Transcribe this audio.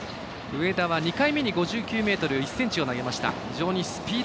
上田は２回目に５９ｍ１ｃｍを投げました。